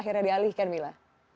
akhirnya dialihkan mila